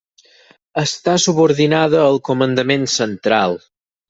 Està subordinada al Comandament Central.